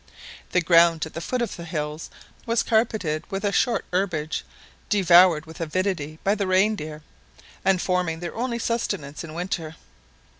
The ground at the foot of the hills was carpeted with a short herbage devoured with avidity by the reindeer, and forming their only sustenance in winter.